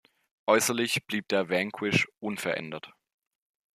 Äußerlich blieb der Vanquish unverändert.